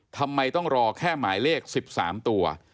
ทำไมต้องรอแค่หมายเลข๑๓ตัว